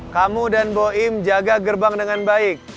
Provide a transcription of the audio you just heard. kamu dan boim jaga gerbang dengan baik